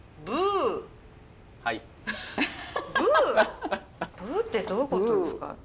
「ぶー」ってどういうことですか？